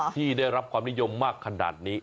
ที่ได้รับความนิยมมากขนาดนี้